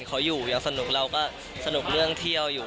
เขาอยู่ยังสนุกเราก็สนุกเรื่องเที่ยวอยู่